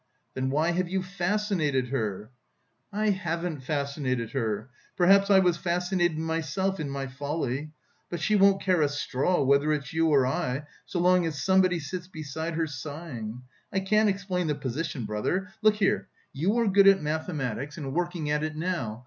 "Then why have you fascinated her?" "I haven't fascinated her; perhaps I was fascinated myself in my folly. But she won't care a straw whether it's you or I, so long as somebody sits beside her, sighing.... I can't explain the position, brother... look here, you are good at mathematics, and working at it now...